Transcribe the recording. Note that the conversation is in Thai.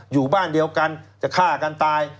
อยู่บ้านเดียวกันจะฆ่ากันตาย